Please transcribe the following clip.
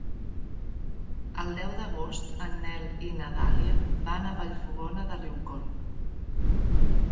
El deu d'agost en Nel i na Dàlia van a Vallfogona de Riucorb.